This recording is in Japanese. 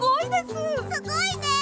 すごいね！